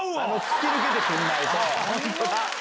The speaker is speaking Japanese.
突き抜けてくんないと。